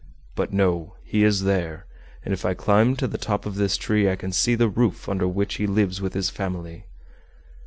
But no! he is there, and if I climb to the top of this tree I can see the roof under which he lives with his family!"